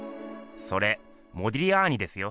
それモディリアーニですよ。